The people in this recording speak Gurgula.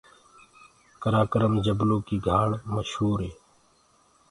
ڪرآڪرم جبلو ڪيٚ گھآݪ مشوُر هي۔